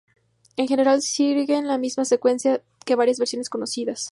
En general, siguen la misma secuencia que varias versiones conocidas.